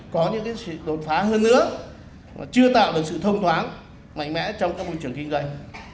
có những cái đột phá hơn nữa chưa tạo được sự thông thoáng mạnh mẽ trong các bộ trưởng kinh doanh